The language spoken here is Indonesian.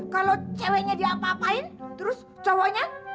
kalau ceweknya diapa apain terus cowoknya